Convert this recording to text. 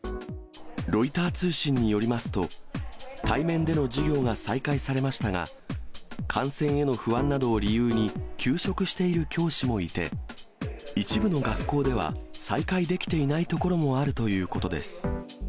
ロイター通信によりますと、対面での授業が再開されましたが、感染への不安などを理由に休職している教師もいて、一部の学校では再開できていない所もあるということです。